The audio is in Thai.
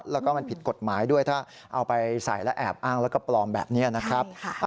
แล้วก็มันผิดกฎหมายด้วยถ้าเอาไปใส่แล้วแอบอ้างแล้วก็ปลอมแบบนี้นะครับ